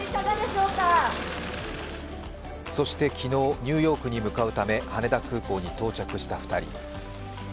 そして昨日、ニューヨークに向かうため、羽田空港に到着した２人。